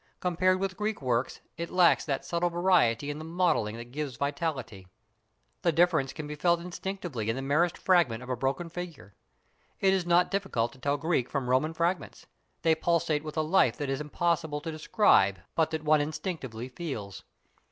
Compared with Greek work it lacks that subtle variety in the modelling that gives vitality. The difference can be felt instinctively in the merest fragment of a broken figure. It is not difficult to tell Greek from Roman fragments, they pulsate with a life that it is impossible to describe but that one instinctively feels.